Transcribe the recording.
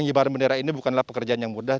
pengibaran bendera ini bukanlah pekerjaan yang mudah